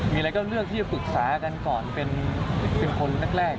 มีอะไรก็เลือกที่จะปรึกษากันก่อนเป็นคนแรก